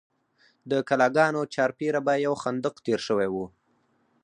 د کلاګانو چارپیره به یو خندق تیر شوی و.